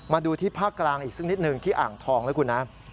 มาดูที่ภาคกลางอีกสักนิดหนึ่งที่อ่างทองนะคุณนะ